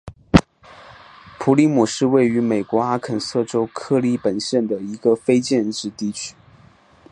普里姆是位于美国阿肯色州克利本县的一个非建制地区。